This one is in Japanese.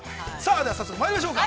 では早速まいりましょうか。